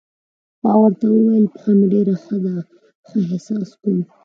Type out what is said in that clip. ما ورته وویل: پښه مې ډېره ښه ده، ښه احساس کوم.